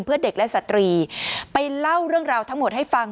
เพื่อเด็กและสตรีไปเล่าเรื่องราวทั้งหมดให้ฟัง